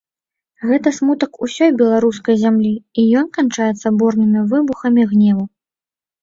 Гэта смутак усёй беларускай зямлі, і ён канчаецца бурнымі выбухамі гневу.